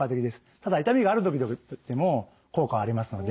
ただ痛みがある時でも効果ありますので。